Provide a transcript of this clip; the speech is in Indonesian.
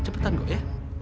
cepetan kok ya